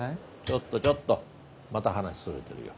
ちょっとちょっとまた話それてるよ。